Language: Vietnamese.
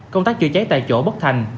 công tác chữa cháy tại chỗ bất thành